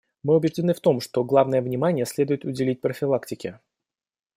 Мы убеждены в том, что главное внимание следует уделять профилактике.